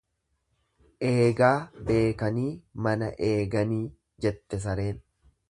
"""Eegaa beekanii mana eeganii"" jette sareen."